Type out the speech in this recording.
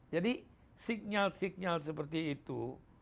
jadi sinyal sinyal seperti itu